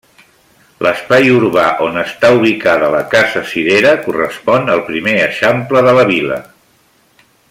L'espai urbà on està ubicada la Casa Cirera correspon al primer eixample de la vila.